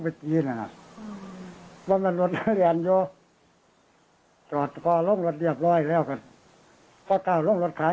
พ่อใกล้เอาลุงรถค้าเนี่ยงหวังหวัน